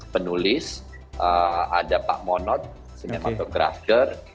penulis ada pak monod seniman pematung grafker